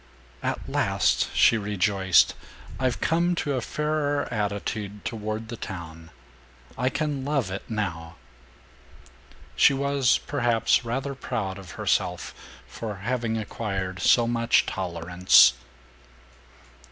"At last," she rejoiced, "I've come to a fairer attitude toward the town. I can love it, now." She was, perhaps, rather proud of herself for having acquired so much tolerance.